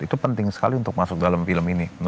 itu penting sekali untuk masuk dalam film ini